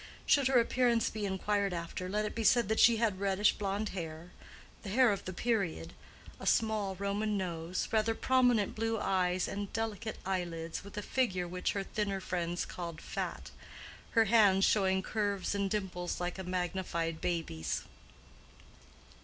Should her appearance be inquired after, let it be said that she had reddish blonde hair (the hair of the period), a small Roman nose, rather prominent blue eyes and delicate eyelids, with a figure which her thinner friends called fat, her hands showing curves and dimples like a magnified baby's.